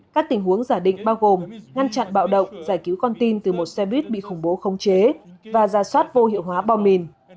các tình huống giả định bao gồm ngăn chặn bạo động giải cứu con tin từ một xe buýt bị khủng bố khống chế và giả soát vô hiệu hóa bom mìn